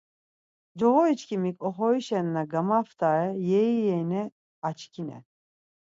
Coğoriçkimiz oxorişen na gamaft̆are yeyyeine açkinen.